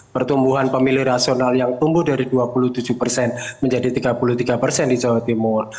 pertumbuhan pemilih rasional yang tumbuh dari dua puluh tujuh persen menjadi tiga puluh tiga persen di jawa timur